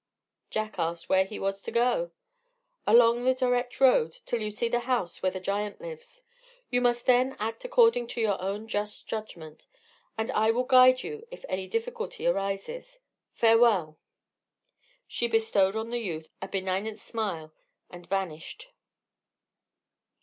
Jack asked where he was to go. "Along the direct road, till you see the house where the giant lives. You must then act according to your own just judgment, and I will guide you if any difficulty arises. Farewell!" She bestowed on the youth a benignant smile, and vanished.